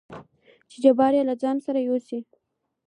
چې جبار يې له ځانه سره يوسي.